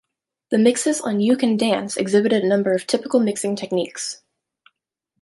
The mixes on "You Can Dance" exhibited a number of typical mixing techniques.